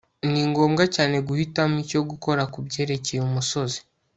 ni ngombwa cyane guhitamo icyo gukora kubyerekeye umusozi